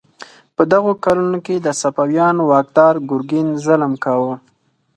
په دغو کلونو کې د صفویانو واکدار ګرګین ظلم کاوه.